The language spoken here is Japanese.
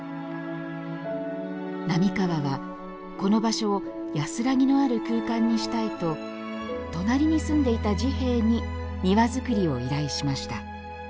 並河はこの場所を安らぎのある空間にしたいと隣に住んでいた治兵衛に庭づくりを依頼しました。